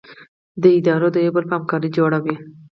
دا اداره د یو بل په همکارۍ جوړه وي.